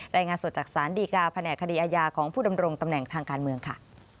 รายงานสดจากสารดีกาแผนกคดีอาญาของผู้ดำรงตำแหน่งทางการเมืองค่ะ